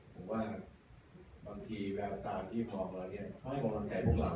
ผมว่าบางทีแบบตามที่ฟังเราเนี้ยก็ให้ความรันใจพวกเรา